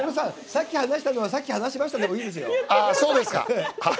さっき話したのはさっき話しましたでもいいですよ！